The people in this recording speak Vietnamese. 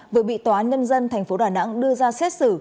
vừa bị tòa án nhân dân thành phố đà nẵng đưa ra xét xử